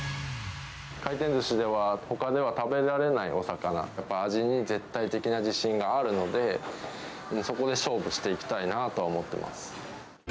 回転ずしでは、ほかでは食べられないお魚、やっぱ味に絶対的な自信があるので、そこで勝負していきたいなとは思ってます。